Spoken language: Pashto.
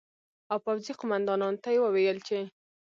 او پوځي قومندانانو ته یې وویل چې